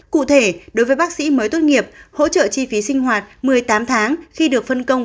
cụ thể đối với bác sĩ mới tốt nghiệp hỗ trợ chi phí sinh hoạt một mươi tám tháng khi được phân công